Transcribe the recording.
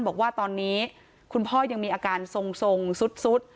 บอกว่าตอนนี้คุณพ่อยังมีอาการทรงซุด